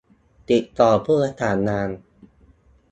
ติดต่อผู้ประสานงาน